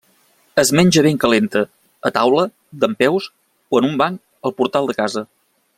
Es menja ben calenta, a taula, dempeus o en un banc al portal de casa.